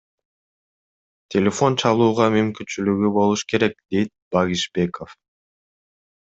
Телефон чалууга мүмкүнчүлүгү болуш керек, — дейт Багишбеков.